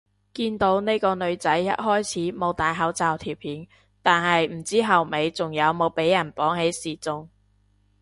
見到呢個女仔一開始冇戴口罩條片，但係唔知後尾仲有俾人綁起示眾